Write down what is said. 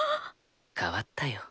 変わったよ。